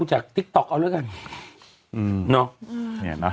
เห็นมั้ย